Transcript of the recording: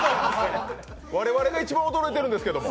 我々が一番驚いてるんですけども。